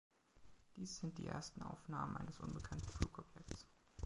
Dies sind die ersten Aufnahmen eines unbekannten Flugobjekts.